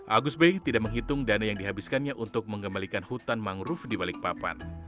agus bey tidak menghitung dana yang dihabiskannya untuk mengembalikan hutan mangrove di balikpapan